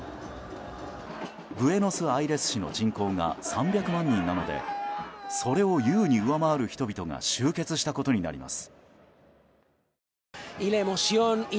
ブエノスアイレス市の人口が３００万人なのでそれを優に上回る人々が集結したことになります。